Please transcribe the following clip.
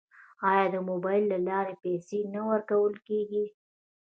آیا د موبایل له لارې پیسې نه ورکول کیږي؟